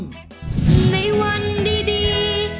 ในวันดี